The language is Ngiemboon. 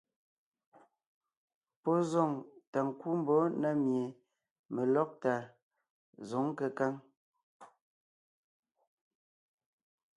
Pɔ́ zoŋ tà ńkú mbɔ̌ na mie melɔ́gtà zǒŋ kékáŋ.